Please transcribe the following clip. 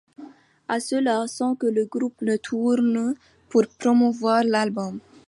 Et cela, sans que le groupe ne tourne pour promouvoir l'album.